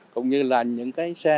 cũng như là những cái xe